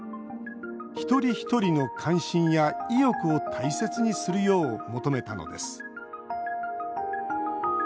一人一人の関心や意欲を大切にするよう求めたのです。